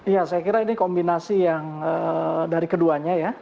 ya saya kira ini kombinasi yang dari keduanya ya